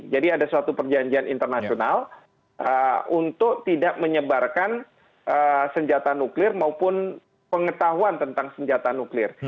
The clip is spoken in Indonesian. jadi ada suatu perjanjian internasional untuk tidak menyebarkan senjata nuklir maupun pengetahuan tentang senjata nuklir